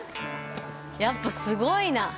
やっぱすごいな。